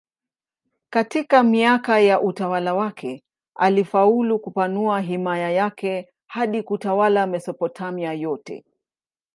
Katika miaka ya utawala wake alifaulu kupanua himaya yake hadi kutawala Mesopotamia yote.